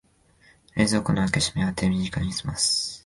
冷蔵庫の開け閉めは手短にすます